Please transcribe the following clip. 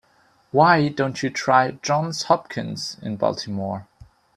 Why don't you try Johns Hopkins in Baltimore?